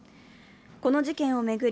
この事件を巡り